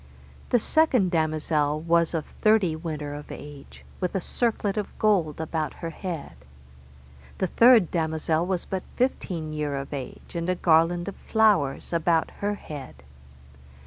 The second damosel was of thirty winter of age, with a circlet of gold about her head. The third damosel was but fifteen year of age, and a garland of flowers about her head.